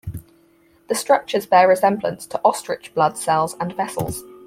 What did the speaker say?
The structures bear resemblance to ostrich blood cells and vessels.